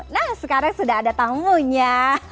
nah sekarang sudah ada tamunya